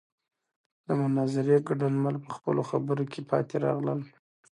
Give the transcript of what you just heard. د مناظرې ګډونوال په خپلو خبرو کې پاتې راغلل.